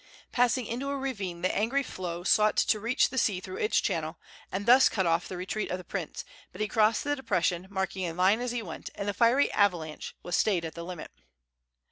Passing into a ravine, the angry flow sought to reach the sea through its channel, and thus cut off the retreat of the prince; but he crossed the depression, marking a line as he went, and the fiery avalanche was stayed at the limit.